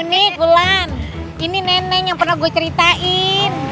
ini bulan ini nenek yang pernah gue ceritain